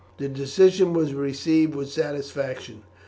The decision was received with satisfaction.